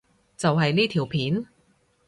就係呢條片？